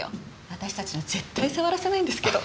私たちには絶対触らせないんですけど。